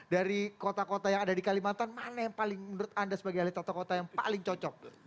dari kota kota yang ada di kalimantan mana yang paling menurut anda sebagai ahli tata kota yang paling cocok